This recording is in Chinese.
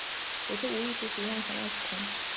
首次无意识使用闪耀之瞳。